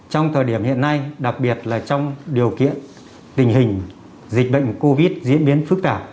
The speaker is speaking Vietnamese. trong thời điểm hiện nay đặc biệt là trong điều kiện tình hình dịch bệnh covid diễn biến phức tạp